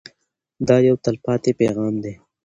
دا یو تلپاتې پیغام دی.